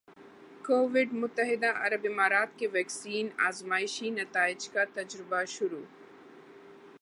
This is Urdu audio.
کوویڈ متحدہ عرب امارات کے ویکسین آزمائشی نتائج کا تجزیہ شر